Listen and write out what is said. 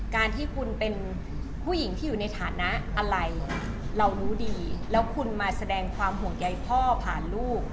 การที่คุณเป็นผู้หญิงที่อยู่ในฐานะอะไรเรารู้ดีแล้วคุณมาแสดงความห่วงใยพ่อผ่านลูก